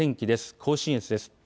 甲信越です。